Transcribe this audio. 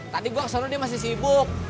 tadi gue soro dia masih sibuk